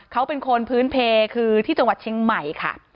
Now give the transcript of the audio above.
เขาเป็นคนพื้นเพลคือที่จังหวัดเชียงใหม่ค่ะ